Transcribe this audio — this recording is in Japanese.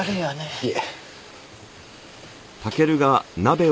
いえ。